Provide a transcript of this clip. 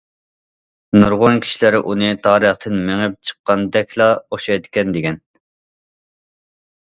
نۇرغۇن كىشىلەر ئۇنى تارىختىن مېڭىپ چىققاندەكلا ئوخشايدىكەن دېگەن.